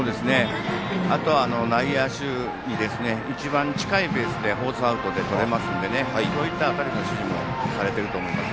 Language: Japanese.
あとは内野手に一番近いベースでフォースアウトでとれますのでそういった指示もされていると思います。